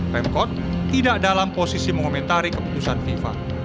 pemkot tidak dalam posisi mengomentari keputusan fifa